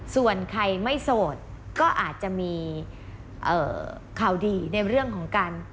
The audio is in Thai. ส่วนใครไม่โสดก็อาจจะมีข่าวดีในเรื่องของการ